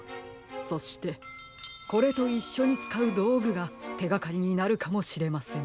そしてこれといっしょにつかうどうぐがてがかりになるかもしれません。